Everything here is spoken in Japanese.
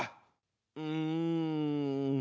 うん。